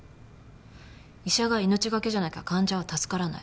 医者が命懸けじゃなきゃ患者は助からない。